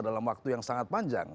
dalam waktu yang sangat panjang